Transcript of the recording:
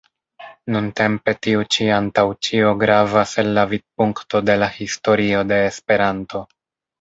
Nuntempe tiu ĉi antaŭ ĉio gravas el la vidpunkto de la historio de Esperanto.